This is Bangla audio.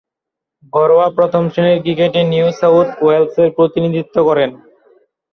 ঘরোয়া প্রথম-শ্রেণীর ক্রিকেটে নিউ সাউথ ওয়েলসের প্রতিনিধিত্ব করেন।